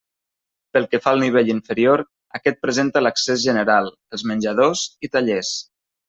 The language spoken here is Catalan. Pel que fa al nivell inferior, aquest presenta l'accés general, els menjadors i tallers.